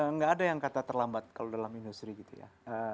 nggak ada yang kata terlambat kalau dalam industri gitu ya